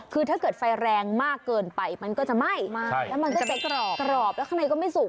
คือถ้าเกิดไฟแรงมากเกินไปมันก็จะไหม้แล้วมันก็จะกรอบกรอบแล้วข้างในก็ไม่สุก